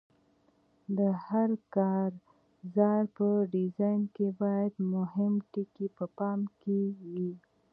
د هر کارزار په ډیزاین کې باید مهم ټکي په پام کې وي.